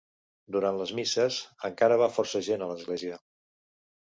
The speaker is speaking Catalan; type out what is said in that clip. Durant les misses, encara va força gent a l'església.